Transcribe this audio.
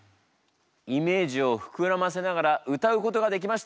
イメージを膨らませながら歌うことができました。